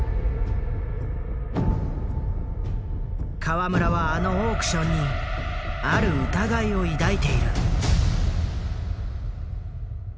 河村はあのオークションにある疑いを抱いている。